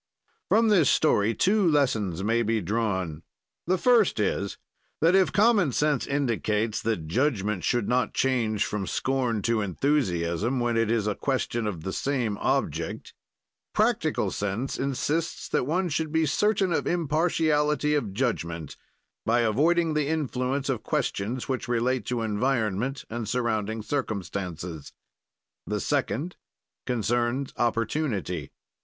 From this story two lessons may be drawn: The first is, that if common sense indicates that judgment should not change from scorn to enthusiasm, when it is a question of the same object, practical sense insists that one should be certain of impartiality of judgment, by avoiding the influence of questions which relate to environment and surrounding circumstances. The second concerns opportunity.